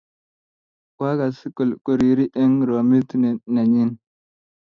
Kwakase koriri eng roomit ne nnenyin